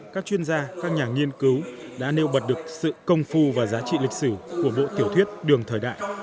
các chuyên gia các nhà nghiên cứu đã nêu bật được sự công phu và giá trị lịch sử của bộ tiểu thuyết đường thời đại